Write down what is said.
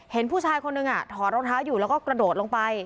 เห็นผู้ชายคนนึงถอดรองเท้าอยู่แล้วก็กระโดดลงไป